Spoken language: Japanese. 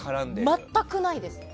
全くないです。